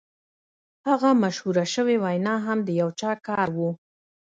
هغه مشهوره شوې وینا هم د یو چا کار و